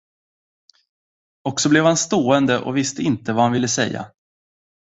Och så blev han stående och visste inte vad han ville säga.